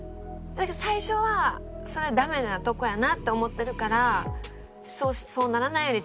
最初はそれはダメなとこやなって思ってるからそうならないようにちゃんと返すように。